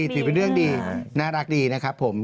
ถือเป็นเรื่องดีน่ารักดีนะครับผม